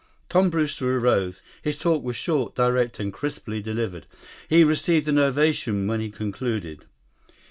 Tom Brewster arose. His talk was short, direct, and crisply delivered. He received an ovation when he concluded.